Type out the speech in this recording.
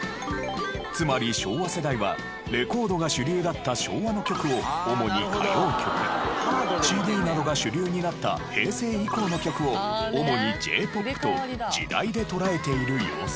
つまり昭和世代はレコードが主流だった昭和の曲を主に歌謡曲ＣＤなどが主流になった平成以降の曲を主にＪ−ＰＯＰと時代で捉えている様子。